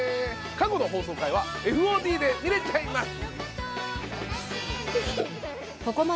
過去の放送回はＦＯＤで見れちゃいます。